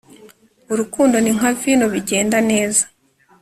urukundo ni nka vino bigenda neza